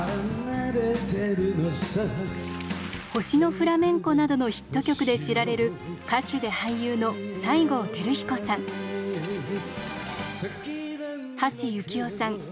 「星のフラメンコ」などのヒット曲で知られる歌手で俳優の西郷輝彦さん。